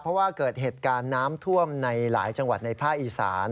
เพราะว่าเกิดเหตุการณ์น้ำท่วมในหลายจังหวัดในภาคอีสาน